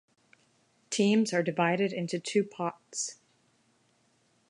Teams are divided into two pots.